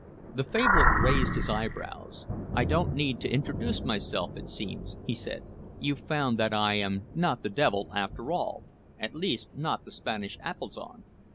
The favorite raised his eyebrows. "I don't need to introduce myself, it seems," he said. "You've found that I am not the devil, after all, at least not the Spanish Apollyon.